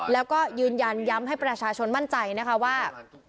แล้วก็ยืนยันย้ำให้ประชาชนมั่นใจนะคะว่า